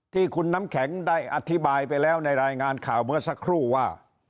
ที่คุณน้ำแข็งได้อธิบายไปแล้วในรายงานข่าวเมื่อสักครู่ว่า